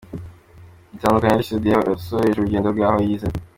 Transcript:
bitandukanye Ally Soudy yasoreje urugendo rwe aho yize